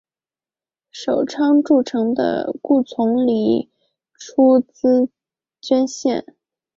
首倡筑城的顾从礼出资捐建。